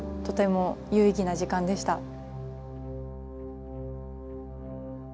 とても有意義な時間でした。